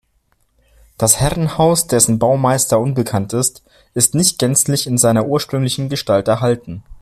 Das Herrenhaus, dessen Baumeister unbekannt ist, ist nicht gänzlich in seiner ursprünglichen Gestalt erhalten.